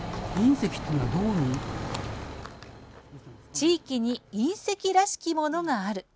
地域に隕石らしきものがある。